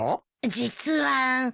実は。